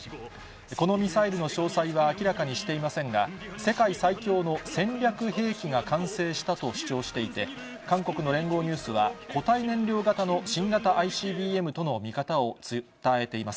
このミサイルの詳細は明らかにしていませんが、世界最強の戦略兵器が完成したと主張していて、韓国の聯合ニュースは、固体燃料型の新型ＩＣＢＭとの見方を伝えています。